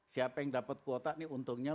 siapa yang dapat kuota ini untungnya lu